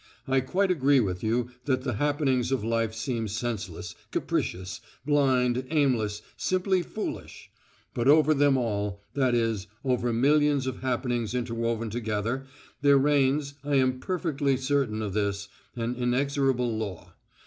I quite agree with you that the happenings of life seem senseless, capricious, blind, aimless, simply foolish. But over them all that is, over millions of happenings interwoven together, there reigns I am perfectly certain of this an inexorable law.